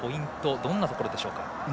どんなところでしょうか。